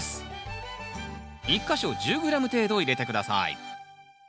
１か所１０ｇ程度入れて下さい。